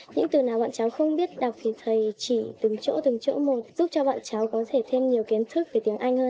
những từ nào bọn cháu không biết đọc thì thầy chỉ từng chỗ từng chỗ một giúp cho bọn cháu có thể thêm nhiều kiến thức về tiếng anh hơn